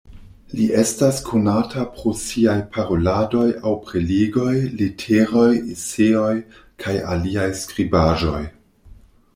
Li estas konata pro siaj Paroladoj aŭ Prelegoj, leteroj, eseoj kaj aliaj skribaĵoj.